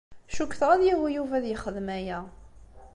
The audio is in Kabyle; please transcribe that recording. Cukkteɣ ad yagi Yuba ad yexdem aya.